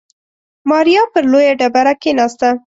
ماريا پر لويه ډبره کېناسته.